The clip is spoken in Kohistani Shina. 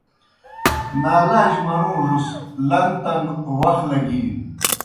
نالاج منُوڙوْس لݩگ تݩگ وخ لگِینوْ۔